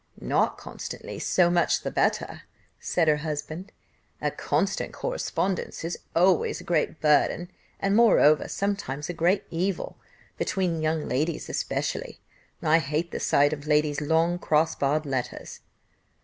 "Not constantly so much the better," said her husband: "a constant correspondence is always a great burthen, and moreover, sometimes a great evil, between young ladies especially I hate the sight of ladies' long cross barred letters."